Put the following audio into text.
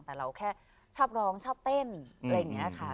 แต่เราแค่ชอบร้องชอบเต้นอะไรอย่างนี้ค่ะ